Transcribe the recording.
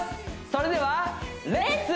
それではレッツ！